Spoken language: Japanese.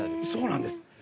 そうなんです。